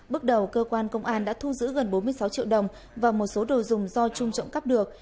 bước đầu cơ quan công an đã thu giữ gần bốn mươi sáu triệu đồng và một số đồ dùng do trung trộm cắp được